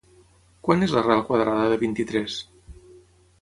Quant és l'arrel quadrada de vint-i-tres?